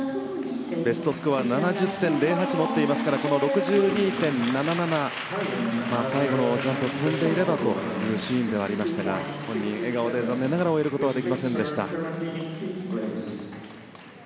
ベストスコア７０．０８を持っていますからこの６２．７７最後のジャンプを跳んでいればというシーンではありましたが本人、笑顔で終えることは残念ながらできませんでした。